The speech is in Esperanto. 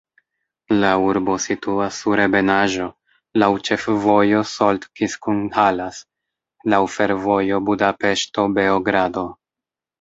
La urbo situas sur ebenaĵo, laŭ ĉefvojo Solt-Kiskunhalas, laŭ fervojo Budapeŝto-Beogrado.